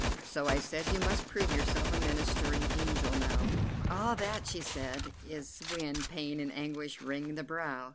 "So," I said, "you must prove yourself a ministering angel now." "Ah, that," she said, "is when pain and anguish wring the brow.